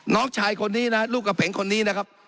น้องชายคนนี้นะลูกกระเพงคนนี้นะครับ